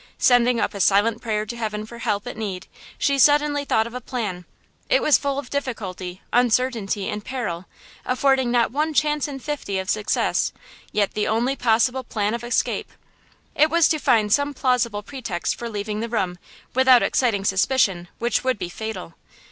Sending up a silent prayer to heaven for help at need, she suddenly thought of a plan–it was full of difficulty, uncertainty and peril, affording not one chance in fifty of success, yet the only possible plan of escape! It was to find some plausible pretext for leaving the room without exciting suspicion, which would be fatal.